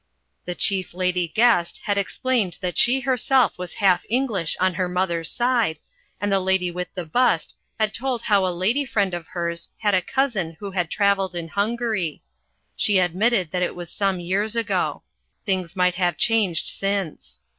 The Chief Lady Guest had explained that she herself was half English on her mother's side, and the Lady with the Bust had told how a lady friend of hers had a cousin who had travelled in Hungary. She admitted that it was some years ago. Things might have changed since.